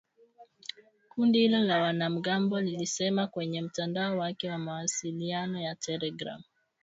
Kundi hilo la wanamgambo lilisema kwenye mtandao wake wa mawasiliano ya telegram